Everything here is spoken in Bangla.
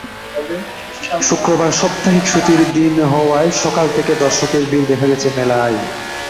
শুক্রবার সাপ্তাহিক ছুটির দিন হওয়ায় সকাল থেকে দর্শকের ভিড় দেখা গেছে মেলায়।